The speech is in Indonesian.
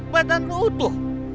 badan lu utuh